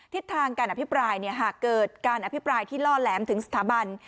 ทิศทางการอภิปรายหากเกิดการอภิปรายที่ล่อแหลมถึงสถาบัน